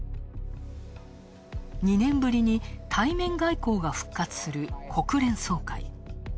２年ぶりに対面外交が復活する、国連総会。